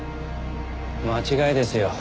間違いですよ。